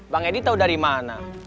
bang edy tau dari mana